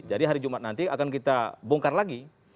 jadi hari jumat nanti akan kita bongkar lagi